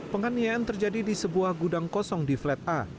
penganiayaan terjadi di sebuah gudang kosong di flat a